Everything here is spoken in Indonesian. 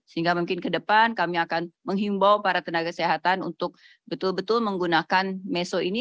sehingga mungkin ke depan kami akan menghimbau para tenaga kesehatan untuk betul betul menggunakan meso ini